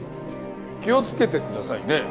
気をつけてくださいね。